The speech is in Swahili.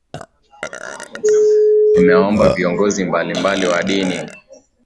nimewaomba viongozi mbalimbali wa dini